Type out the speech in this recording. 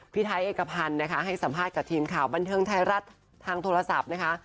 พี่ไทยเอกพันธ์นะคะให้สัมภาษณ์กับทีมข่าวบันเทิงไทยรัฐทางโทรศัพท์นะคะ